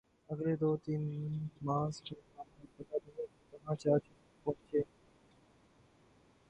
اگلے دو تین ماہ میں معاملات پتہ نہیں کہاں جا پہنچیں۔